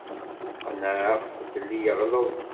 Qennɛeɣ-t belli yeɣleḍ.